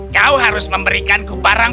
kau harus memberikanku barang